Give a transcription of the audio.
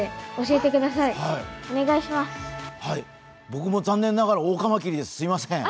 僕も残念ながらオオカマキリです、すみません。